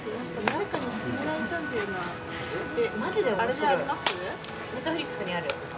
あれにあります？